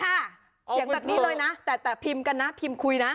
เอาไปเถอะอย่างแบบนี้เลยนะแต่พิมพ์กันนะพิมพ์คุยนะ